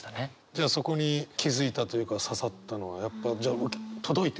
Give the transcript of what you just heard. じゃあそこに気付いたというか刺さったのはやっぱじゃあ届いてるってことですね。